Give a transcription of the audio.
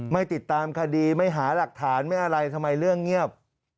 ไม่ติดตามคดีไม่หาหลักฐานไม่อะไรทำไมเรื่องเงียบ